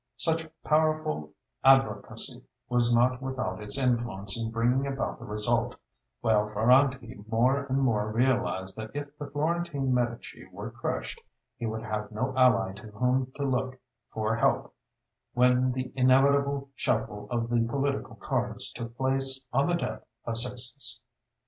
Such powerful advocacy was not without its influence in bringing about the result; while Ferrante more and more realized that if the Florentine Medici were crushed he would have no ally to whom to look for help when the inevitable shuffle of the political cards took place on the death of Sixtus.